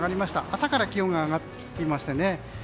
朝から気温が上がりましたね。